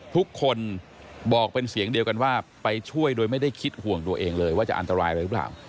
ทุกคนบอกเป็นเสียงเดียวกันว่าไปช่วยโดยไม่ได้คิดห่วงตัวเองเลยว่าจะอันตรายอะไรหรือเปล่า